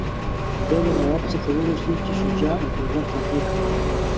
ده له نواب څخه وغوښتل چې شجاع الدوله قانع کړي.